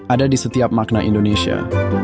ada di setiap makna indonesia